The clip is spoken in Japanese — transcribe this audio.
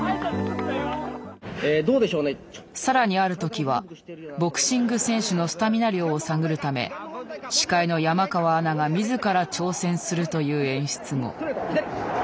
更にある時はボクシング選手のスタミナ量を探るため司会の山川アナが自ら挑戦するという演出も。